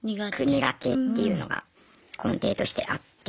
苦手っていうのが根底としてあって。